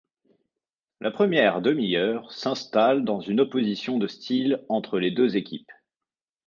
La première demi-heure s'installe dans une opposition de style entre les deux équipes.